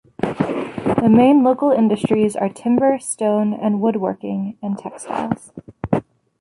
The main local industries are timber, stone- and wood-working and textiles.